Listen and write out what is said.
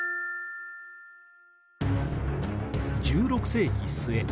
１６世紀末